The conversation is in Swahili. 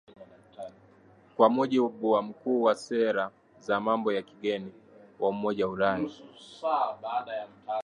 kwa mujibu wa mkuu wa sera za mambo ya kigeni wa umoja ulaya